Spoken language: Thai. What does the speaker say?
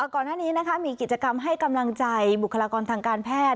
ก่อนหน้านี้มีกิจกรรมให้กำลังใจบุคลากรทางการแพทย์